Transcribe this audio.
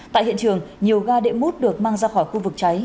tại hiện trường nhiều ga đệm mút được mang ra khỏi khu vực cháy